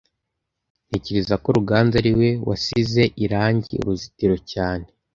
Ntekereza ko Ruganzu ariwe wasize irangi uruzitiro cyane